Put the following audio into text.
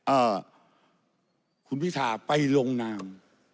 เอ่อคุณพิธาไปลงนาม